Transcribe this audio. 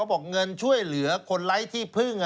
บอกเงินช่วยเหลือคนไร้ที่พึ่ง